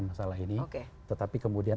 masalah ini tetapi kemudian